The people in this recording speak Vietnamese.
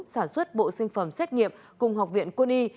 sản xuất bộ sinh phẩm xét nghiệm cùng học viện quân y